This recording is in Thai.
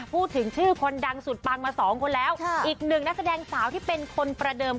พูดถึงชื่อคนดังสุดปังมาสองคนแล้วอีกหนึ่งนักแสดงสาวที่เป็นคนประเดิม